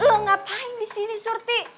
lo ngapain di sini surti